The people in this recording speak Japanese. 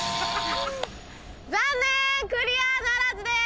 残念クリアならずです！